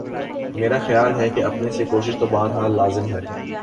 میرا خیال ہے کہ اپنی سی کوشش تو بہر حال لازم ہے۔